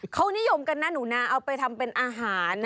เขานิยมกันนะหนูนาเอาไปทำเป็นอาหาร